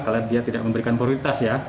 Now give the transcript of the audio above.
karena dia tidak memberikan prioritas ya